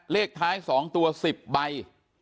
เลขท้าย๒ตัว๑๐ใบ